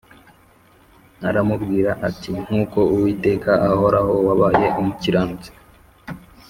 aramubwira ati “nk’uko uwiteka ahoraho, wabaye umukiranutsi